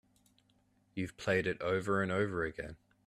You've played it over and over again.